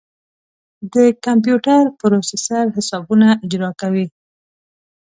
د کمپیوټر پروسیسر حسابونه اجرا کوي.